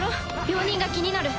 病人が気になる。